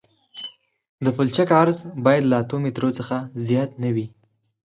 د پلچک عرض باید له اتو مترو څخه زیات نه وي